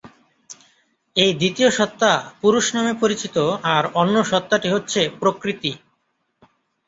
এই দ্বিতীয় সত্তা পুরুষ নামে পরচিত, আর অন্য সত্তাটি হচ্ছে প্রকৃতি।